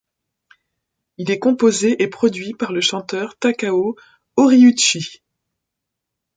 Il est composé et produit par le chanteur Takao Horiuchi.